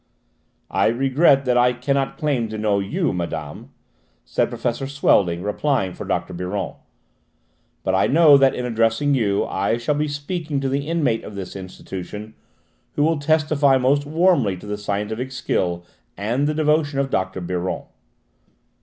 "I regret that I cannot claim to know you, madame," said Professor Swelding, replying for Dr. Biron, "but I know that in addressing you I shall be speaking to the inmate of this institution who will testify most warmly to the scientific skill and the devotion of Dr. Biron."